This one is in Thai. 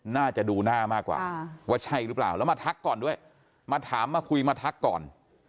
น่าจะดูหน้ามากกว่าว่าใช่หรือเปล่าแล้วมาทักก่อนด้วยมาถามมาคุยมาทักก่อน